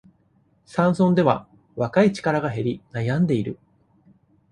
山村では、若い力が減り、悩んでいる。